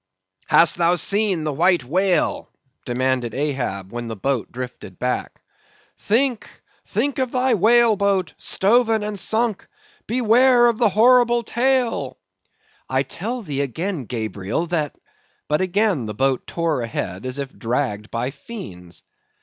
"Hast thou seen the White Whale?" demanded Ahab, when the boat drifted back. "Think, think of thy whale boat, stoven and sunk! Beware of the horrible tail!" "I tell thee again, Gabriel, that—" But again the boat tore ahead as if dragged by fiends.